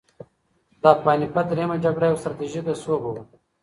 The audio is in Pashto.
د پاني پت درېیمه جګړه یوه ستراتیژیکه سوبه وه.